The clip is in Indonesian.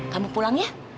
kamu pulang ya